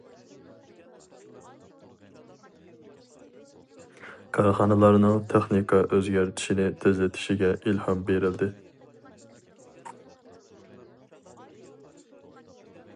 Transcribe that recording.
كارخانىلارنىڭ تېخنىكا ئۆزگەرتىشنى تېزلىتىشىگە ئىلھام بېرىلدى.